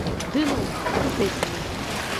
Ды ну, атупець можна.